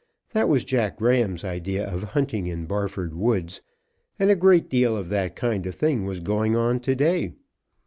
That was Jack Graham's idea of hunting in Barford Woods, and a great deal of that kind of thing was going on to day.